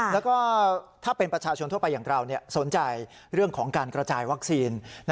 แล้วก็ถ้าเป็นประชาชนทั่วไปอย่างเราสนใจเรื่องของการกระจายวัคซีน